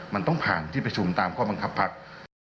มันต้องผ่านที่ประชุมตามข้อบังคับพัก